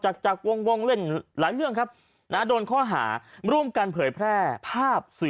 จากจากวงเล่นหลายเรื่องครับนะโดนข้อหาร่วมกันเผยแพร่ภาพสื่อ